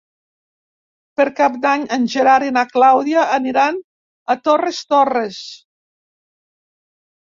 Per Cap d'Any en Gerard i na Clàudia aniran a Torres Torres.